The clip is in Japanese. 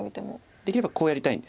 できればこうやりたいんです。